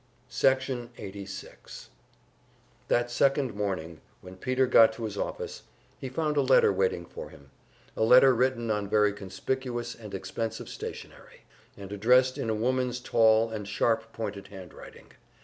Section 86 That second morning, when Peter got to his office, he found a letter waiting for him, a letter written on very conspicuous and expensive stationery, and addressed in a woman's tall and sharp pointed handwriting.